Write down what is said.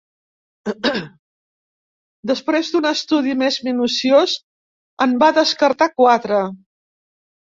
Després d'un estudi més minuciós en va descartar quatre.